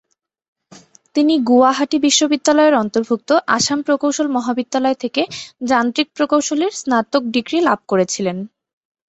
তিনি গুয়াহাটি বিশ্ববিদ্যালয়ের অন্তর্ভুক্ত আসাম প্রকৌশল মহাবিদ্যালয় থেকে যান্ত্রিক প্রকৌশলের স্নাতক ডিগ্রী লাভ করেছিলেন।